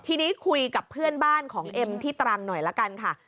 ทีนี้คุยกับเพื่อนบ้านของเอ็มที่ตรังหน่อยละกันค่ะ